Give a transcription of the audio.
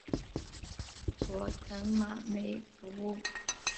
佐藤麻美服务。